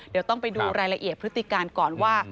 เดี๋ยวต้องไปดูรายละเอียดพฤติการก่อนว่า